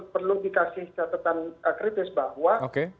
perlu dikasih catatan kritis bahwa